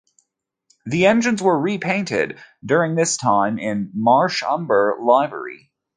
The engines were repainted during this time in 'Marsh Umber' livery.